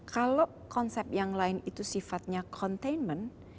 kalau konsep yang lain itu sifatnya containment